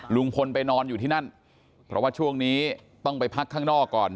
ลุงพลไปนอนอยู่ที่นั่นเพราะว่าช่วงนี้ต้องไปพักข้างนอกก่อน